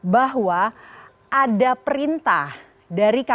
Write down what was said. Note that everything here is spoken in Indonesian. bahwa ada perintah dari kpu pusat